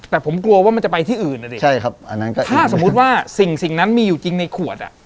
แต่ผมกลัวว่ามันจะไปที่อื่นอ่ะเด็กถ้าสมมุติว่าสิ่งนั้นมีอยู่จริงในขวด